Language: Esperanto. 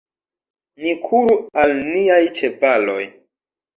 Ni kuru al niaj ĉevaloj.